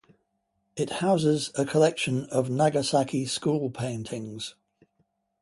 It houses a collection of Nagasaki School paintings.